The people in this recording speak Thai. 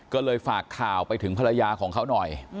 ก็เลยฝากข่าวไปถึงภรรยาของเขาหน่อย